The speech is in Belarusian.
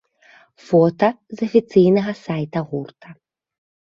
Фота з афіцыйнага сайта гурта.